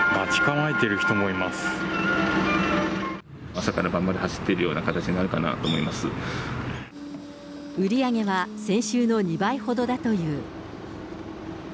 朝から晩まで走っているよう売り上げは先週の２倍ほどだという。